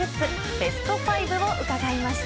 ベスト５を伺いました。